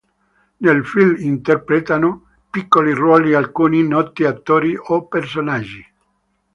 Nel film interpretano piccoli ruoli alcuni noti attori o personaggi.